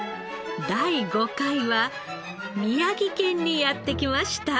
第５回は宮城県にやって来ました。